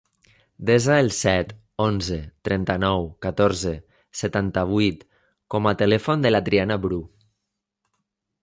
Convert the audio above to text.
Desa el set, onze, trenta-nou, catorze, setanta-vuit com a telèfon de la Triana Bru.